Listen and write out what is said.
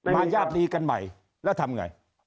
ญาติดีกันใหม่แล้วทำไง